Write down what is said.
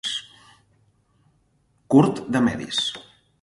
Curt de medis.